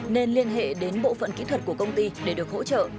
nên liên hệ đến bộ phận kỹ thuật của công ty để được hỗ trợ